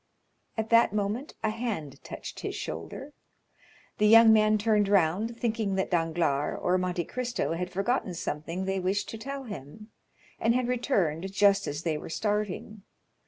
At that moment a hand touched his shoulder. The young man turned round, thinking that Danglars or Monte Cristo had forgotten something they wished to tell him, and had returned just as they were starting.